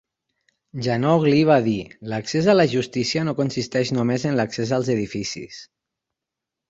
Djanogly va dir: "L'accés a la justícia no consisteix només en l'accés als edificis".